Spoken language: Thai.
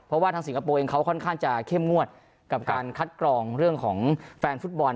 เพราะว่าทางสิงคโปร์เองเขาค่อนข้างจะเข้มงวดกับการคัดกรองเรื่องของแฟนฟุตบอล